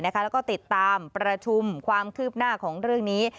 แล้วก็ติดตามประชุมความคืบหน้าของเรื่องนี้